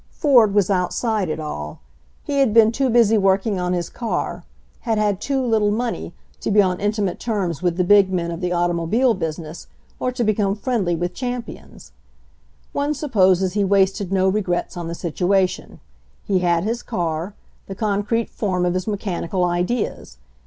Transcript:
Ford was outside it all. He had been too busy working on his car, had had too little money, to io8 HENRY FORD'S OWN STORY be on intimate terms with the big men of the automobile business, or to become friendly with champions. One supposes he wasted no regrets on the situ ation. He had his car, the concrete form of his mechanical ideas.